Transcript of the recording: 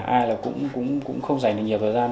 ai cũng không dành được nhiều thời gian